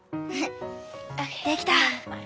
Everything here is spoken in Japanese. できた。